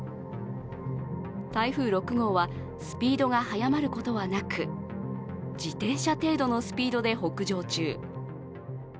台風６号はスピードが速まることはなく自転車程度のスピードで北上中。